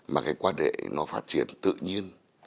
mà cái quan hệ nó phát triển tự nhiên